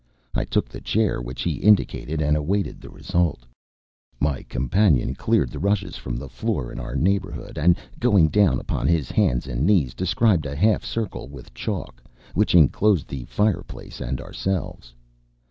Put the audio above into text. I took the chair which he indicated, and awaited the result. My companion cleared the rushes from the floor in our neighbourhood, and going down upon his hands and knees, described a half circle with chalk, which enclosed the fireplace and ourselves.